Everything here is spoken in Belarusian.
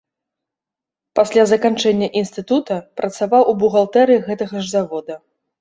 Пасля заканчэння інстытута працаваў у бухгалтэрыі гэтага ж завода.